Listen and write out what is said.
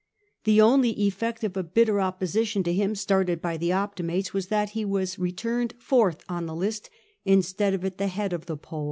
The only effect of a bitter opposi tion to him, started by the Optimates, was that he was returned fourth on the list, instead of at the head of the poll.